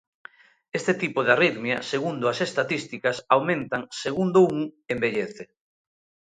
Este tipo de arritmia, segundo as estatísticas, aumentan segundo un envellece.